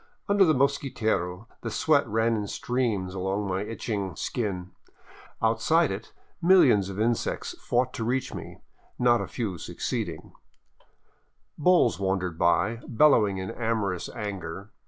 Under the mosquitero the sweat ran in streams along my itching 575 VAGABONDING DOWN THE ANDES skin; outside it millions of insects fought to reach me, not a few suc ceeding. Bulls wandered by, bellowing in amorous anger.